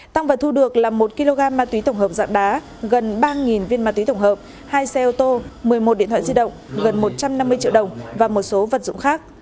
tăng vật thu được là một kg ma túy tổng hợp dạng đá gần ba viên ma túy tổng hợp hai xe ô tô một mươi một điện thoại di động gần một trăm năm mươi triệu đồng và một số vật dụng khác